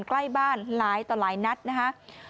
ใกล้บ้านหลายต่อหลายนัดนะคะ